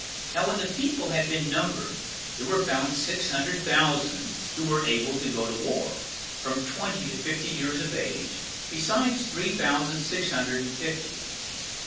Now when the people had been numbered, there were found six hundred thousand that were able to go to war, from twenty to fifty years of age, besides three thousand six hundred and fifty.